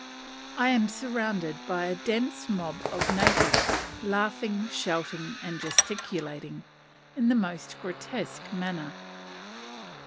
I am surrounded by a dense mob of natives, laughing, shouting, and gesticulating, in the most grotesque manner.